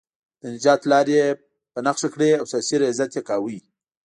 د نجات لارې یې په نښه کړې او سیاسي ریاضت یې کاوه.